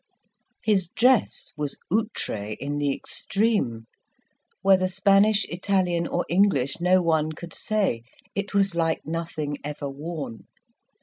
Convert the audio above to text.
His dress was outre in the extreme: whether Spanish, Italian, or English, no one could say; it was like nothing ever worn.